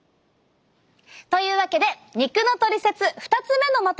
というわけで肉のトリセツ２つ目のまとめです。